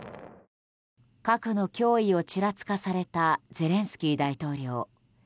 核の脅威をちらつかされたゼレンスキー大統領。